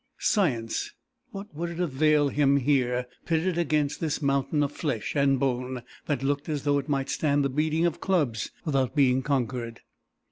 Science! What would it avail him here, pitted against this mountain of flesh and bone that looked as though it might stand the beating of clubs without being conquered!